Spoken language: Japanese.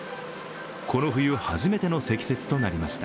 この冬初めての積雪となりました。